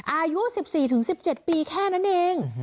อายุ๑๔๑๗ปีแค่นั้นเอง